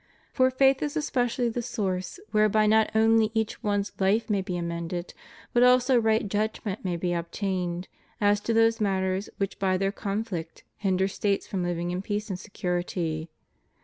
For faith is es pecially the source whereby not only each one's Hfe may be amended, but also right judgment may be obtained as to those matters which by their conflict hinder States from hving in peace and security.